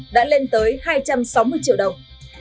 đã lên tới hai trăm sáu mươi triệu đồng